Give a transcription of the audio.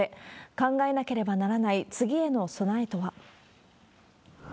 考えなければならない次への備えとは。